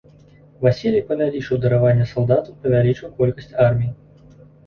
Васілій павялічыў дараванне салдатаў, павялічыў колькасць арміі.